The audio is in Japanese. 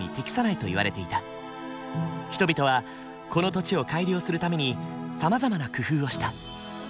人々はこの土地を改良するためにさまざまな工夫をした。